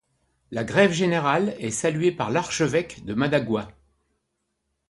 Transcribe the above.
La grève générale est saluée par l'archevêque de Managua.